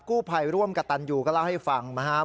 กู้ภัยร่วมกับตันยูก็เล่าให้ฟังนะครับ